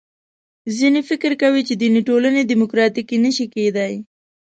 ځینې فکر کوي چې دیني ټولنې دیموکراتیکې نه شي کېدای.